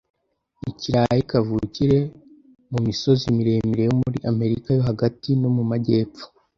Ikirayi kavukire mu misozi miremire yo muri Amerika yo Hagati no mu majyepfo.